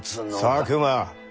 佐久間。